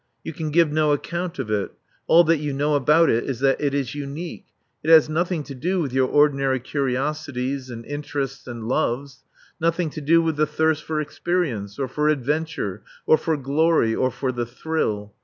You can give no account of it. All that you know about it is that it is unique. It has nothing to do with your ordinary curiosities and interests and loves; nothing to do with the thirst for experience, or for adventure, or for glory, or for the thrill.